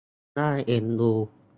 น่าเอ็นดู